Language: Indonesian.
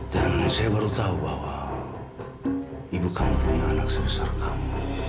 dan saya baru tahu bahwa ibu kamu punya anak sebesar kamu